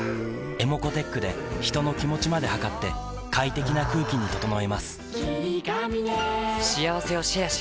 ｅｍｏｃｏーｔｅｃｈで人の気持ちまで測って快適な空気に整えます